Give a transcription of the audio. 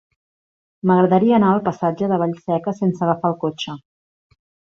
M'agradaria anar al passatge de Vallseca sense agafar el cotxe.